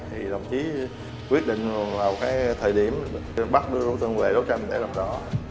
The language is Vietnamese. thì lòng chí quyết định vào cái thời điểm bắt đưa đối tượng về đối tranh để làm rõ